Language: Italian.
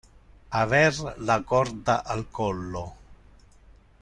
Aver la corda al collo.